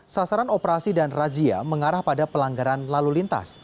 sasaran operasi dan razia mengarah pada pelanggaran lalu lintas